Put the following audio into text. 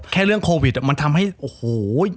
เรื่องโควิดมันทำให้โอ้โห